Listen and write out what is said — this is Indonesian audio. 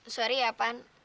sorry ya pan